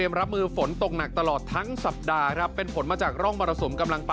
มาฟังกัน